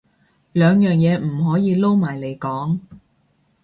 兩樣嘢唔可以撈埋嚟講